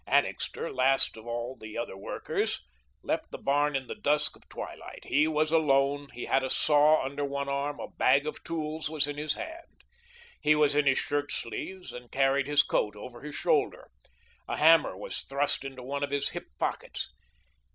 Annixter, last of all the other workers, left the barn in the dusk of twilight. He was alone; he had a saw under one arm, a bag of tools was in his hand. He was in his shirt sleeves and carried his coat over his shoulder; a hammer was thrust into one of his hip pockets.